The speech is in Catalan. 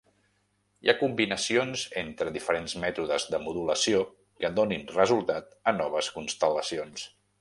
Hi ha combinacions entre diferents mètodes de modulació que donin resultat a noves constel·lacions.